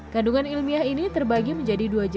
kandungan ilmiah ini terbagi menjadi dua ml per liter